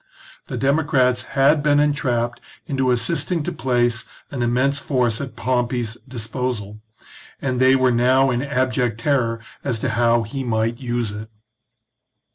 The democrats had been entrapped into assisting to place an immense force at Pompey's disposal, and they were now in abject terror as to how he might use it.